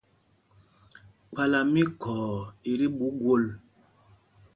Kpālā mí Khɔɔ í tí ɓuu gwol.